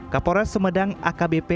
kapolres sumedang akbp